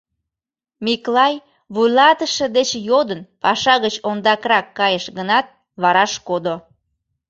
Миклай, вуйлатыше деч йодын, паша гыч ондакрак кайыш гынат, вараш кодо.